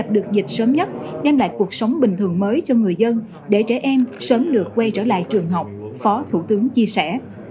đợt dịch sớm nhất đem lại cuộc sống bình thường mới cho người dân để trẻ em sớm được quay trở lại trường học phó thủ tướng chia sẻ